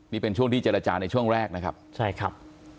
นี่เป็นช่วงที่เจรจาในช่วงแรกนะครับใช่ครับ